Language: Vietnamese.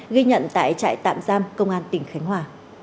ghi nhận tại trại tạm giam công an tỉnh khánh hòa